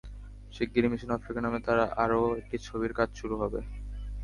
শিগগিরই mission Africa নামে তাঁর আরও একটি ছবির কাজ শুরু হবে।